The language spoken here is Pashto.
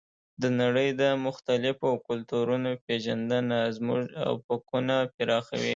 د نړۍ د مختلفو کلتورونو پېژندنه زموږ افقونه پراخوي.